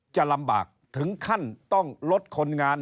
จะลำบากถึงขั้นต้องลดคนงาน